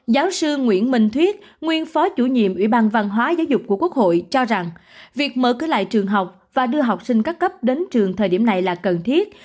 giáo sư nguyễn minh thuyết nguyên phó chủ nhiệm ủy ban văn hóa giáo dục của quốc hội cho rằng việc mở cửa lại trường học và đưa học sinh các cấp đến trường thời điểm này là cần thiết